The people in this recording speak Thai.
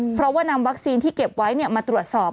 เพราะว่านำวัคซีนที่เก็บไว้มาตรวจสอบ